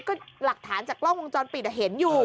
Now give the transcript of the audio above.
ก็หลักฐานจากกล้องวงจรปิดเห็นอยู่